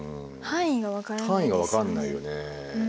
範囲が分かんないよね。